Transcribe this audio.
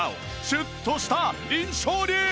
シュッとした印象に！